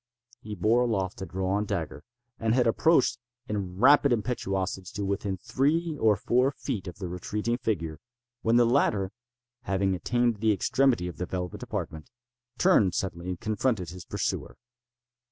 He bore aloft a drawn dagger, and had approached, in rapid impetuosity, to within three or four feet of the retreating figure, when the latter, having attained the extremity of the velvet apartment, turned suddenly and confronted his pursuer.